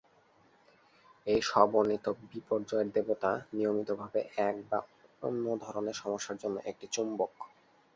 এই স্ব-বর্ণিত "বিপর্যয়ের দেবতা" নিয়মিতভাবে এক বা অন্য ধরণের সমস্যার জন্য একটি চুম্বক।